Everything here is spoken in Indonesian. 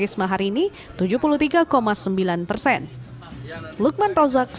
risma hari ini tujuh puluh tiga sembilan persen